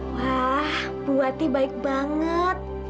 wah bu ati baik banget